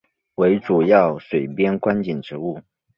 为主要水边观景植物。